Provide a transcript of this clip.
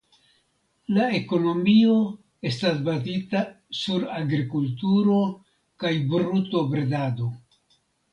La ekonomio estas bazita sur agrikulturo kaj brutobredado.